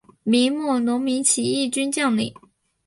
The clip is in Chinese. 明末农民起义军将领。